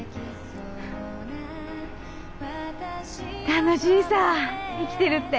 楽しいさぁ生きてるって。